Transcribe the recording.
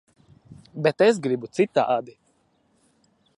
Bet es gribu citādi.